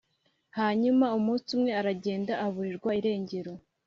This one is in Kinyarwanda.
Hanyuma umunsi umwe aragenda aburirwa irengero.